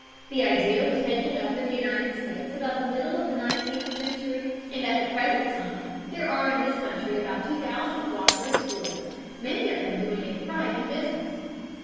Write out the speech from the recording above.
The idea was taken up in the United States about the middle of the nineteenth century, and at the present time there are in this country about 2000 co÷perative stores, many of them doing a thriving business.